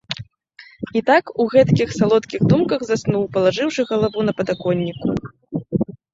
І так у гэткіх салодкіх думках заснуў, палажыўшы галаву на падаконніку.